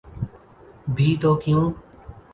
بھی تو کیوں؟